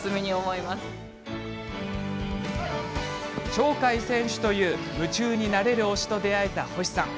鳥海選手という夢中になれる推しと出会えた星さん。